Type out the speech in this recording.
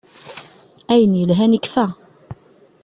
Ayen yelhan ikfa.